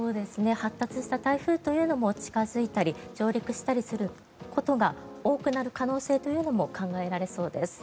発達した台風というのも近付いたり上陸したりすることが多くなる可能性というのも考えられそうです。